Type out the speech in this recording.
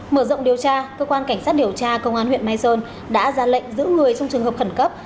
mở rộng điều tra cơ quan cảnh sát điều tra công an huyện mai sơn đã ra lệnh giữ người trong trường hợp khẩn cấp